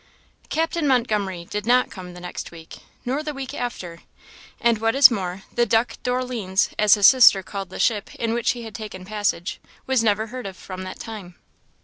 Captain Montgomery did not come the next week, nor the week after; and what is more, the Duck Dorleens, as his sister called the ship in which he had taken passage, was never heard of from that time.